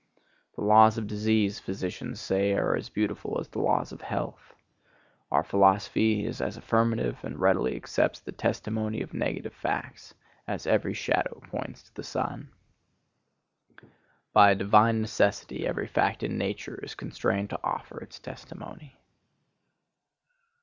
The laws of disease, physicians say, are as beautiful as the laws of health. Our philosophy is affirmative and readily accepts the testimony of negative facts, as every shadow points to the sun. By a divine necessity every fact in nature is constrained to offer its testimony.